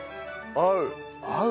合う！